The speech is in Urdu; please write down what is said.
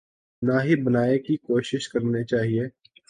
نہ ہی بنانے کی کوشش کرنی چاہیے۔